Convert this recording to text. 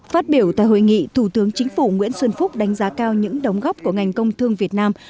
phát biểu tại hội nghị thủ tướng chính phủ nguyễn xuân phúc đánh giá cao những đóng góp của ngành công thương việt nam